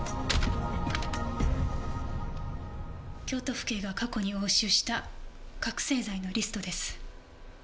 京都府警が過去に押収した覚せい剤のリストです。